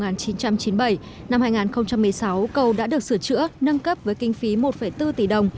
năm hai nghìn một mươi sáu cầu đã được sửa chữa nâng cấp với kinh phí một bốn tỷ đồng